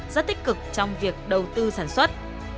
rất tích cực trong việc đầu tư sản xuất